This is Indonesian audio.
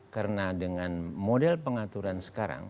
karena dengan model pengaturan sekarang